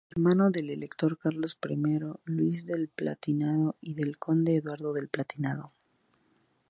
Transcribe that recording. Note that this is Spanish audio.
Hermano del elector Carlos I Luis del Palatinado y del conde Eduardo del Palatinado.